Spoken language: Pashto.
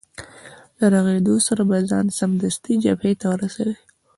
له رغېدو سره به ځان سمدستي جبهې ته ورسوې.